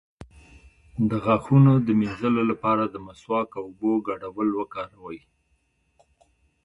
د غاښونو د مینځلو لپاره د مسواک او اوبو ګډول وکاروئ